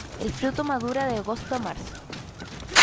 El fruto madura de agosto a marzo.